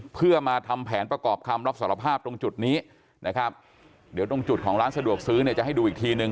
เพื่อมาทำแผนประกอบคำรับสารภาพตรงจุดนี้นะครับเดี๋ยวตรงจุดของร้านสะดวกซื้อเนี่ยจะให้ดูอีกทีนึง